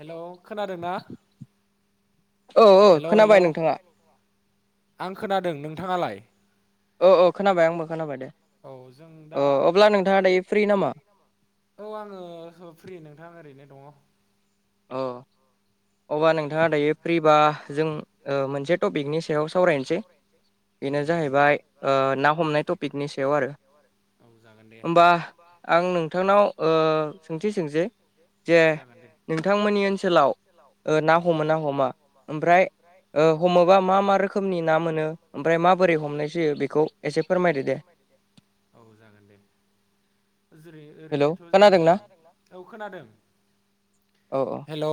हेल खोनादों ना? औ औ खोनाबाय नोंथाङा आं खोनादों। नोंथांङालाय? औ ओ खोनाबाय आंबो खोनाबाय दे अब्ला नोंथाङा दायो फ्रि नामा औ आंङो फ्रि नोंथां ओरैनो दंङ। अ अब्ला नोंथाङा दायो फ्रिबा जों ओ मोनसे टपिकनि सायाव सावरायनोसै बेनो जाहैबाय ओ ना हमनाय टपिकनि सायाव आरो औ जागोन दे होमबा आं नोंथांनाव ओ सोंथि सोंसै जागोन दे नोंथांमोननि ओनसोलाव ओ ना हमो ना हमा ओमफ्राय हमोबा मा मा रोखोम रोखोमनि ना मोनो ओमफ्राय माबोरै हमनाय जायो बेखौ एसे फोरमायदो दे औ जागोन दे जेरै ओरैनोथ जोंङो औ खोनादों औ औ हेल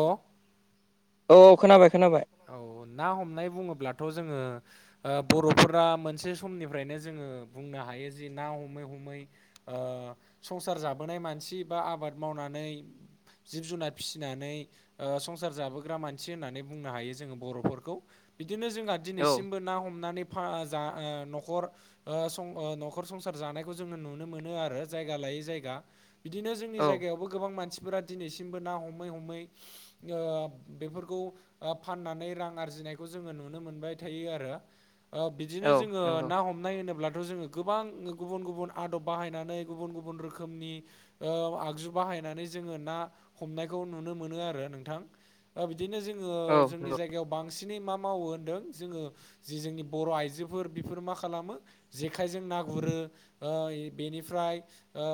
औ औ खोनाबाय खोनाबाय औ ना हमनाय बुङोब्लाथ जोंङो ओ बरफोरा मोनसे समनिफ्रायनो जोंङो बुंनो हायो जि ना हमै हमै ओ संसार जाबोनाय मानसि बा आबाद मावनानै जिब जुनार फिसिनानै संसार जाबोग्रा मान सि होननानै बुंनो हायो जों बर'फोरखौ बिदिनो जोंहा दिनैसिमबो ना हमनानै फा जा ओ न'खर ओ सं अ न'खर संसार जानायखौ जोंङो नुनो मोनो आरो जायगा लायै जायगा। बिदिनो जोंनि जायगायावबो गोबां मानसिफोरा दिनैसिमबो ना हमै हमै ओ बेफोर बिफोरखौ फाननानै रां आरजिनायखौ जोङो नुनो मोनबाय थायो आरो ओ बिदिनो जोङो ना हम हमनाय होनोब्लाथ' जोङो गोबां गुबुन गुबुन आदब बाहायनानै गुबुन गुबुन रोखोमनि ओ आगजु बाहायनानै जोङो ना हमनायखौ नुनो मोनो आरो नोंथां बिदिनो जोङो जोंनि जायगायाव बांसिनै मा मावो होनदों जोङो जि जोंनि बर' आइजोफोर बेफोरो मा खालामो जेखाइजों ना गुरोओ बेनिफ्राय ओ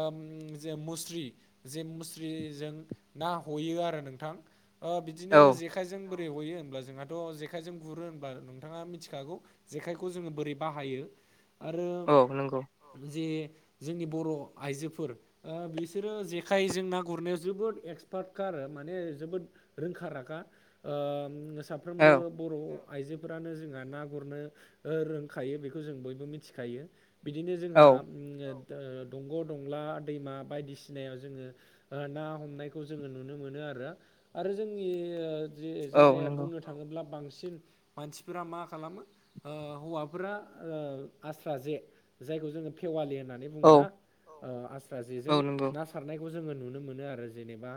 मुस्रि जे मुस्रिजों ना हयो आरो नोंथां ओ बिदिनो जे जेखायजों बोरै हयो होनब्ला जोंहाथ' जेखायजों गुरो होनबब्ला नोंथाङा मिथिखागौ जेखायखौ जोङो बोरै बाहायो आरो जे जोंनि बर' आइजोफोर ओ बिसोरो जेखाइजों ना गुरनायाव जोबोद एक्सपार्टखा माने जोबोद रोंखा राखाओ साफ्रोमबो बर' आइजोफोरानो जोंहा ना गुरनो रोंखायो बेखौ जों बयबो मिथिखायो बिदिनो जोंहा उम दंग' दंला दैमा जोङो बायदि सिनायाव जोंङो ना हमनायखौ जोङो नुनो मोनो आरो आरो जोंनि जायगायाव बुंनो थाङोब्ला बांसिन मानसिफोरा मा खालामो ओ हौवाफोरा आस्रा जे जायखौ जोङो फेवालि होननानै बुङो बुङोना ओ आस्राजेजों ना ना सारनाय जोङो नुनो मोनो आरो जेनेबा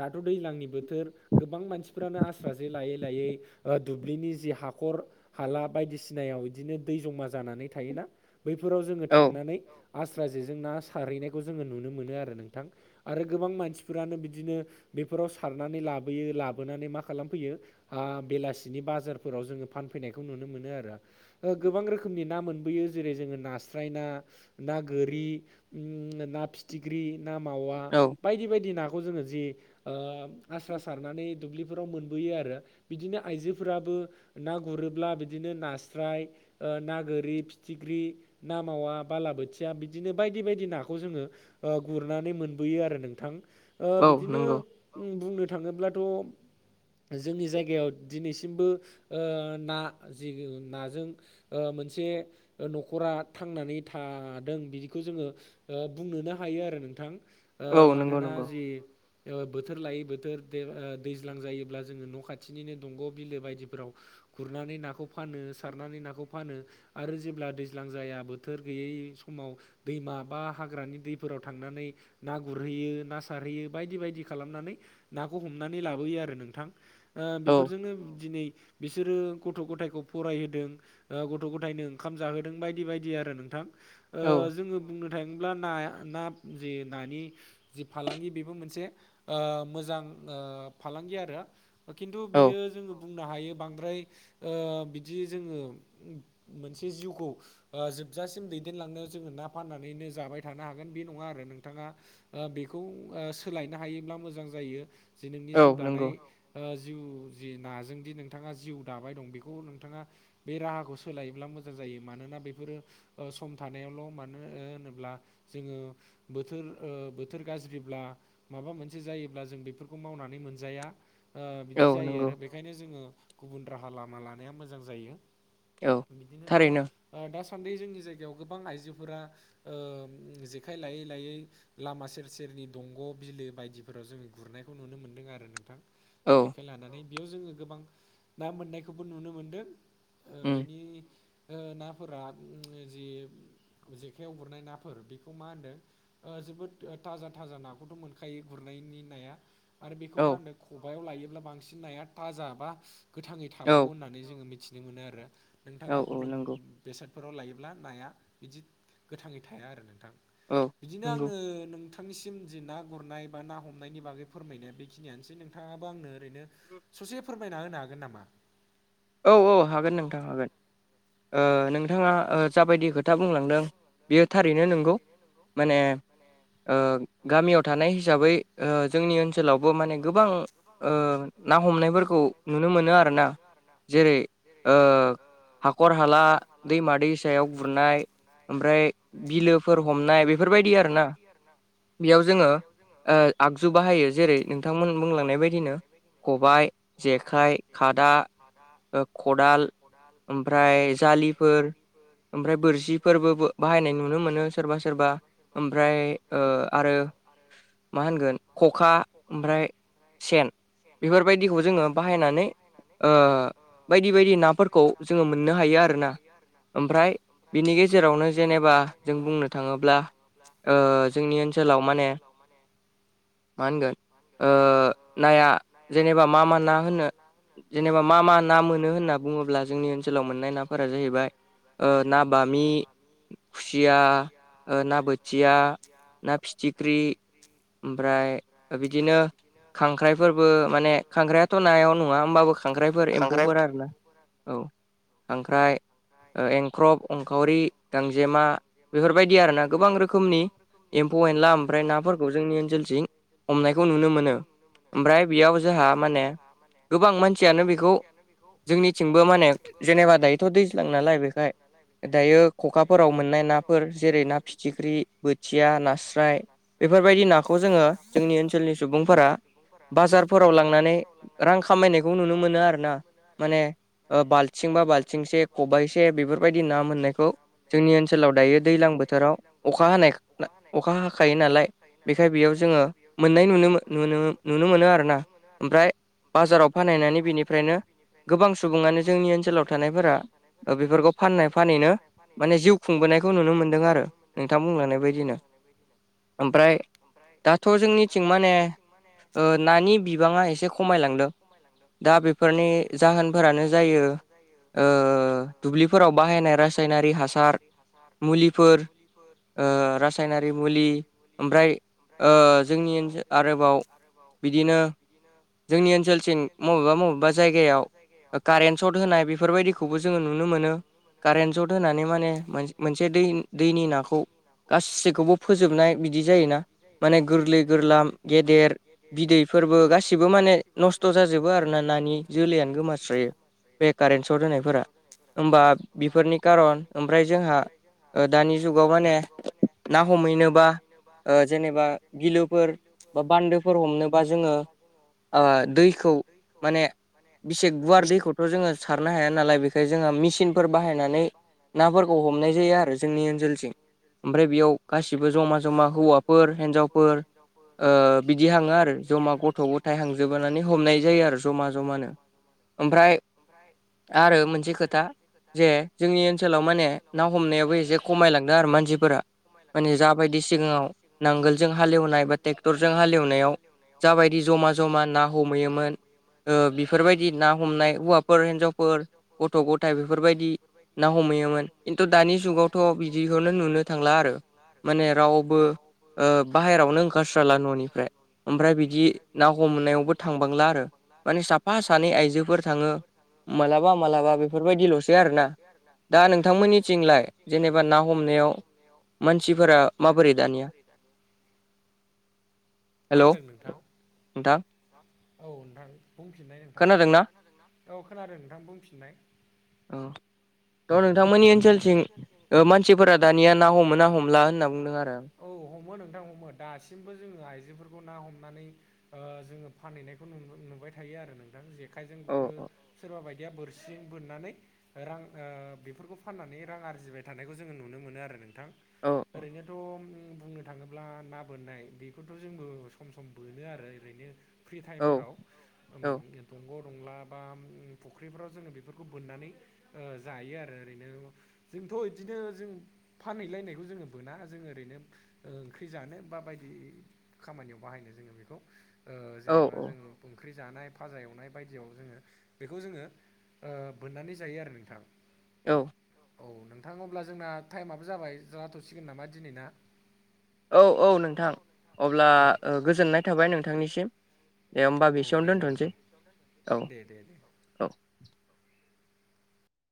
दाथ' दैलांनि बोथोर गोबां मानसि बुहुदानो आस्रा जे लायै लायै ओ दुब्लिनि जि हाखर हाला बायदिसिनायाव बिदिनो दै जमा जानानै थायोना बैफोराव जोङो थांनानै आस्राजेजों ना सारहैनायखौ जोङो नुनो मोनो आरो नोंथां आरो गोबां मानसिफोरानो बिदिनो बेफोराव सारनानै लाबोयो लाबोनानै मा खालामफैयो हा बेलासिनि बाजारफोराव जोङो फानफैनायखौ नुनो मोनो आरो ओ गोबां रोखोमनि ना मोनबोयो जेरै जोङो नास्राय ना ना गोरि उम ना फि फिथिख्रि ना मावा बायदि बायदि नाखौ जोङो जे ओ आस्रा सारनानै दुब्लिफोराव मोनबोयो आरो बिदिनो आइजोफोराबो ना गुरोब्ला बिदिनो नास्राय ओ ना गोरि फिथिख्रि ना मावा बालाबोथिया बिदिनो बायदि नाखौ जोङो ओ गुरनानै मोनबोयो आरो नोंथां ओ बिदिनो बुंनो थाङोब्लाथ' जोंनि जायगायाव दिनैसिमबो ओ ना जि नाजों ओ मोनसे न'खरा थांनानै थादों बिदिखौ जोङो ओ बुंनोनो हायो आरो नोंथां ओ मानोना जि बोथोर लायै बोथोर ओ दैज्लां जायोब्ला जोङो न' खाथिनिनो दंग' बिलो बायदिफोराव गुरनानै नाखौ फानो सारनानै नाखौ फानो आरो जेब्ला दैज्लां जाया बोथोर गैयै समाव दैमा बा हाग्रानि दैफोराव थांनानै ना गुरहैयो ना सारहैयो बायदि बायदि खालामनानै नाखौ हमनानै लाबोयो आरो नोंथां ओ बेफोरजोंनो दिनै बिसोरो गथ' गथायखौ फरायहोदों ओ गथ गथायनो ओंखाम जाहोदों बायदि बायदि आरो नोंथां बुंनो थाङोब्ला ना-ना जे नानि जि फालांगि बेबो मोनसे ओ मोजां ओ फालांगि आरो खिन्थु बि जों बुंनो हायो बांद्राय ओ बिदि जोङो मोनसे जिउखौ ओ जोबजासिम दैदेनलांनायाव जोङो ना फाननानैनो जाबाय थानो हागोन बे नङा आरो नोंथाङा ओ बेखौ ओ सोलायनो हायोब्ला मोजां जायो जे नोंनि जिउ दानाय ओ जिउ जि नाजोंदि नोंथाङा जिउ दाबाय दं बेखौ नोंथाङा बे राहाखौ सोलायोब्ला मोजां जायो मानोना बेफोरो ओ सम थानायावल मानो होनोब्ला जोङो बोथोर ओ बोथोर गाज्रिब्ला माबा मोनसे जायोब्ला जों बेफोर खौ मावनानै मोनजा ओ बिदि जायो आरो बे खायनो जोङो गुबुन राहा लामा लानाया मोजां जायो बिदिनोथ ओ दासान्दि जोंनि जायगायाव गोबां आइजोफोरा ओ जेखाइ लायै लायै लामा सेर सेरनि दंग बिलो बायदिफोराव जोङो गुरनायखौ नुनो मोन्दों आरो नोंथां जेख खाय लानानै बेयाव जोङो गोबां ना मोननायखौबो नुनो मोनदों ओ बेनि ओ नाफोरा जि जेखायाव गुरनाय नाफोर बेखौ मा होनदों? ओ जोबोद थाजा थाजा नाखौथ मोनखायो गुरनायनि नाया आरो बेखौ मा होनदों खबायाव लायोब्ला बांसिन नाया थाजा बा गोथाङै थाबावो होनना नै जोङो मिथिनो मोनो आरो नोंथाङा गुबुन बेसादफोराव लायोब्ला नाया इदि गोथाङै थाया आरो नोंथां बिदिनो आङो नोंथांनिसिम जि ना गुरनाय बा ना हमनायनि बागै फोरमायनो बेखिनियानोसै नोंथाङाबो आंनो ओरैनो ससे फोरमायना होनो हागोन नामा? औ औ हागोन नोंथां हागोन ओ नोंथाङा ओ जाबायदि खोथा बुंलांदों बेयो थारैनो नंगौ माने ओ गामियाव थानाय हिसाबै ओ जोंनि ओनसोलावबो माने गोबां ओ ना हमनायफोरखौ नुनो मोनो आरोना जेरै ओ हाखर हाला दैमा दैसायाव गुरनाय ओमफ्राय बिलोफोर हमनाय बेफोरबायदि आरो ना बियाव जोङो ओ आगजु बाहायो जेरै नोंथांमोन बुंलांनाय बायदिनो खबाय जेखाइ खादा ओ खदाल ओमफ्राय जाालिफोर ओमफ्राय बोरसिफोरबो बाहायनाय नुनो मोनो सोरबा सोरबा ओमफ्राय ओ आरो मा होनगोन खखा ओमफ्राय सेन बेफोरबायदिखौ जोङो बाहायनानै ओ बायदि बायदि नाफोरखौ जोङो मोननो हायो आरोना ओमफ्राय बिनि गेजेरावनो जेनेबा जों बुंनो थाङोब्ला ओ जोंनि ओनसोलाव माने मा होनगोन ओ नाया जेनेबा मा मा ना होननो जेनेबा मा मा ना मोनो होनना बुङोब्ला जोंनि ओनसोलाव मोननाय नाफोरा जाहैबाय ओ ना बामि खुसिया ओ ना बोथिया ना फिथिख्रि ओमफ्राय बिदिनो खांख्राइफोरबो माने खांख्रायाथ नायाव नङा होमबाबो खांख्राइफोर एम आरो ना औ खांख्राय ओ एंख्रब एंखावरि गांजेमा बेफोरबायदि आरोना गोबां रोखोमनि एम्फौ एनला ओमफ्राय नाफोरखौ जोंनि ओनसोलसिं हमनायखौ नुनो मोनो ओमफ्राय बेयाव जोंहा माने गोबां मानसियानो बेखौ जोंनिथिंबो माने जेनेबा दायोथ दैज्लां नालाय बेखाय दायो ख'खाफोराव मोननाय नाफोर जेरै ना फिथिख्रि, बोथिया, नास्राय बेफोरबायदि नाखौ जोङो जोंनि ओनसोलनि सुबुंफोरा बाजारफोराव लांनानै रां खामायनायखौ नुनो मोनो आरोना। माने ओ बाल थिं बा बाल्थिंसे खबाइसे बेफोरबायदि ना मोननायखौ जोंनि ओनसोलाव दायो दैज्लां बोथोराव अखा हानाय अखा हाखायो नालाय बेखाय बेयाव जोङो मोननाय नुनो मोन नुनो नुनो मोनो आरो ना ओमफ्राय बाजाराव फानहैनानै बेनिफ्रायनो गोबां सुबुङानो जोंनि ओनसोलाव थानायफोरा ओ बेफोरखौ फाननाय फानैनो माने जिउ खुंबोनायखौ नुनो मोन्दों आरो नोंथां बुंलांनाय बायदिनो। ओमफ्राय दाथ' जोंनिथिं माने ओ नानि बिबाङा एसे खमायलांदों। दा बेफोरनि जाहोनफोरानो जायो ओ दुब्लिफोराव बाहायनाय रासायनारि हासार मुलिफोर ओ रासायनारि मुलि ओमफ्राय ओ जोंनि ओनसो आरोबाव बिदिनो जोंनि ओनसोलथिं मबेबा मबेबा जायगायाव ओ कारेन्ट सर्ट होनाय बेफोरबायदिखौबो जोङो नुनो मोनो। कारेन्ट शट होनानै माने मोन-मोनसे दै दैनि नाखौ गासैखौबो फोजोबनाय बिदि जायोना माने गोरलै गोरलाम गेदेर बिदैफोरबो गासिबो माने नस्थ' जाजोबो आरोना नानि जोलैयानो गोमास्रायो। बे कारेन्ट सट होनायफोरा होमबा बिफोरनि कारन ओमफ्राय जोंहा ओ दानि जुगाव माने ना हमहैनोबा ओ जेनेबा बिलोफोर बा बान्दोफोर हमनोबा जोङो आ दैखौ माने बिसे गुवार दैखौथ' जोङो सारनो हाया नालाय बेखायनो जोङो मेचिनफोर बाहायनानै नाफोरखौ हमनाय जायो आरो जोंनि ओनसोलथिं। ओमफ्राय बेयाव गासिबो जमा जमा हौवाफोर हिन्जावफोर ओ बिदि हाङो आरो जमा गथ' गथायाइ हांजोबानै हमनाय जायो आरो। जमा जमानो ओमफ्राय आरो मोनसे खोथा जे जोंनि ओनसोलाव माने ना हमनायाबो एसे खमायलांदों आरो मानसिफोरा। माने जाबायदि सिगाङाव नांगोलजों हालेवनाय बा ट्रेक्टरजों हालेवनायाव जाबायदि जमा जमा ना हमहैयोमोन ओ बिफोर बिफोरबायदि ना हमनाय हौवाफोर हिनजावफोर गथ गथाय बेफोरबायदि ना हमहैयोमोन खिन्थु दानि जुगावथ' बिदिखौनो नुनो थांला आरो। माने रावबो ओ बाहेरायावनो ओंखारस्राला न'निफ्राय। ओमफ्राय बिदि ना हमनायावबो थांबांला आरो माने साफा सानै आइजोफोर थाङो मालाबा मालाबा बेफोरबायदिल'सै आरोना। दा नोंथांमोननिथिंलाय जेनेबा ना हमनायाव मानसिफोरा माबोरै दानिया? मा होनदों नोंथां? औ नोंथां बुंफिननाय नोंथां औ खोनादों नोंथां बुंफिननाय। औ थ' नोंथांमोननि ओनसोलथिं ओ मानसिफोरा दानिया ना हमो ना हमला होनना बुंदों आरो। औ हमो नोंथां हमो दासिमबो जोङो आइजोफोरखौ ना हमनानै ओ जोङो फानहैनायखौ नु-नुबाय थायो आरो नोंथां जे खाइजों गुरो सोरबा बायदिया बोरसिजों बोननानै रां ओ बेफोरखौ फाननानै रां आरजिबाय थानायखौ जोङो नुनो आरो नोंथां ओरैनोथ उम बुंनो थाङोब्ला ना बोननाय बेखौथ' जोंबो सम सम बोनो आरो ओरैनो फ्रि टाइमफोराव ओम दंग दंला बा उम फुख्रिफ्राव जोङो बेफोरखौ बोननानै ओ जायो आरो ओरैनो जोंथ' इदिनो जों फानहैलायनायखौ जोङो बोना जों ओरैनो ओंख्रि जानो बा बायदि खामानियाव बाहायनो जोङो बेखौ ओ जेनेबा जोङो ओंख्रि जानाय फाजा एवनाय बायदियाव जोङो बेखौ जोङो ओ बोननानै जायो आरो नोंथां औ औ नोंथां अब्ला जोंना टाइमआबो जाबाय जाथ'सिगोन नामा दिनै ना औ औ नोंथां अब्ला ओ गोजोननाय थाबाय नोंथांनिसिम दे होमबा बेसेयावनो दोनथ'नोसै औ